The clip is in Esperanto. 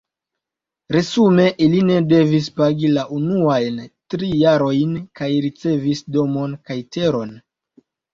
Resume ili ne devis pagi la unuajn tri jarojn kaj ricevis domon kaj teron.